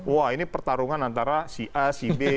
wah ini pertarungan antara si a si b